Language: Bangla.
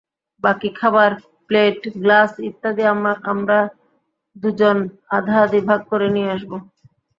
বাকি খাবার, প্লেট, গ্লাস ইত্যাদি আমার দুজন আধাআধি ভাগ করে নিয়ে আসব।